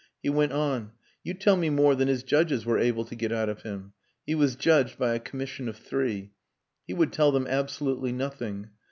He went on "You tell me more than his judges were able to get out of him. He was judged by a commission of three. He would tell them absolutely nothing.